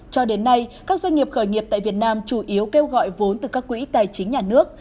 cho đến nay các doanh nghiệp khởi nghiệp tại việt nam chủ yếu kêu gọi vốn từ các quỹ tài chính nhà nước